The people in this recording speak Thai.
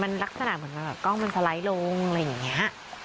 มันลักษณะเหมือนแบบกล้องมันสไลด์ลงอะไรอย่างนี้